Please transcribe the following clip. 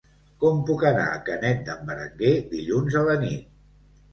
Com puc anar a Canet d'en Berenguer dilluns a la nit?